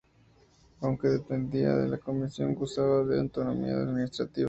Aunque dependía de la comisión, gozaba de autonomía administrativa.